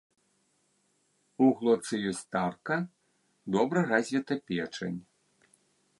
У глотцы ёсць тарка, добра развіта печань.